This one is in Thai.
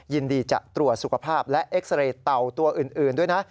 ยินดีจะตรวจสุขภาพและเอ็กซาเรย์เต่าตัวอื่นด้วยนะ